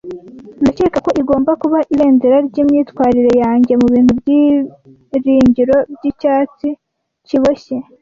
Ndakeka ko igomba kuba ibendera ryimyitwarire yanjye, mubintu byiringiro byicyatsi kiboshye.